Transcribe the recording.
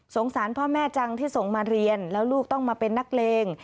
สารพ่อแม่จังที่ส่งมาเรียนแล้วลูกต้องมาเป็นนักเลง